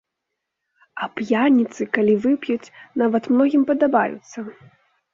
А п'яніцы, калі вып'юць, нават многім падабаюцца.